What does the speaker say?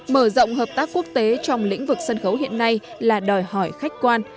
mở rộng hợp tác quốc tế trong lĩnh vực sân khấu hiện nay là đòi hỏi khách quan